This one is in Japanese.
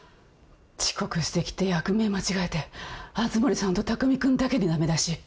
遅刻してきて役名間違えて熱護さんと匠君だけに駄目出し。